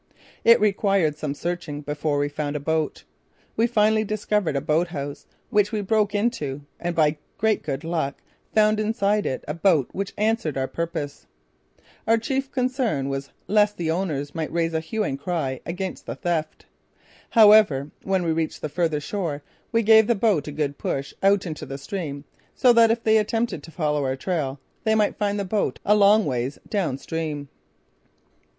It required some searching before we found a boat. We finally discovered a boat house which we broke into and by great good luck found inside it a boat which answered our purpose. Our chief concern was lest the owners might raise a hue and cry against the theft. However, when we reached the further shore we gave the boat a good push out into the stream so that if they attempted to follow our trail they might find the boat a long ways down stream.